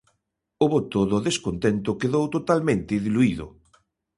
O voto do descontento quedou totalmente diluído.